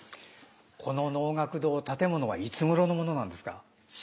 この能楽堂建物はいつごろのものなんですか？